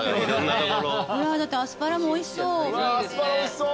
アスパラもおいしそう。